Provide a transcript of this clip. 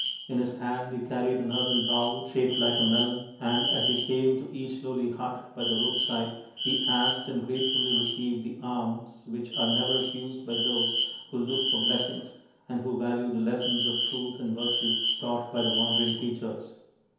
In his hand he carried an earthen bowl shaped like a melon, and as he came to each lowly hut by the roadside he asked and gratefully received the alms which are never refused by those who look for blessings, and who value the lessons of Truth and Virtue taught by the wandering teachers.